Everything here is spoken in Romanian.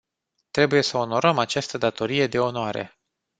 Trebuie să onorăm această datorie de onoare.